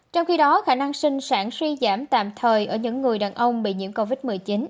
trong khi đó khả năng sinh sản suy giảm tạm thời ở những người đàn ông bị nhiễm covid một mươi chín